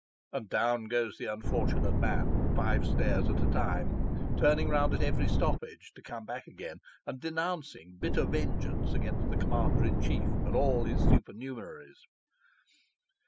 and down goes the unfortunate man five stairs at a time, turning round at every stoppage, to come back again, and denouncing bitter vengeance against the commander in chief, and all his supernumeraries.